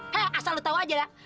he asal lu tahu aja ya